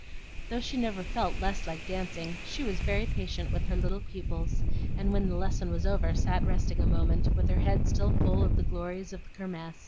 Though she never felt less like dancing, she was very patient with her little pupils, and when the lesson was over sat resting a moment, with her head still full of the glories of the Kirmess.